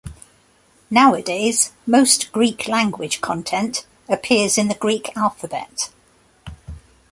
Nowadays most Greek language content appears in the Greek alphabet.